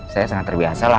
saya sangat terbiasa lah